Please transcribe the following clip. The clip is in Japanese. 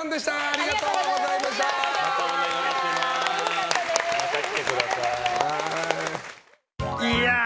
ありがとうございました。やー！